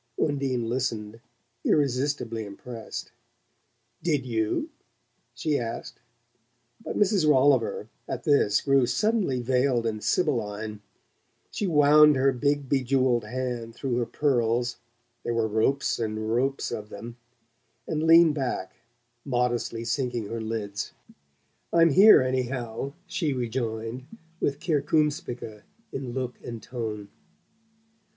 Undine listened, irresistibly impressed. "Did YOU?" she asked; but Mrs. Rolliver, at this, grew suddenly veiled and sibylline. She wound her big bejewelled hand through her pearls there were ropes and ropes of them and leaned back, modestly sinking her lids. "I'm here, anyhow," she rejoined, with "CIRCUMSPICE!" in look and tone.